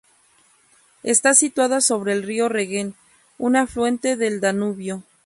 Está situada sobre el río Regen, un afluente del Danubio.